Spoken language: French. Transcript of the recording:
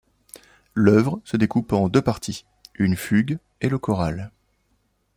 L'œuvre se découpe en deux parties, une fugue et le choral.